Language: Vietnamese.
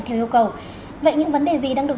theo yêu cầu vậy những vấn đề gì đang được